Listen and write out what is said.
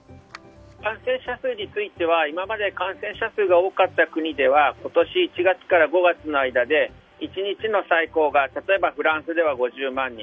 感染者数については今まで感染者数が多かった国では今年１月から５月の間で１日の最高がフランスでは５０万人